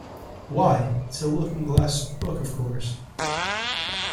Why, it’s a Looking-glass book, of course!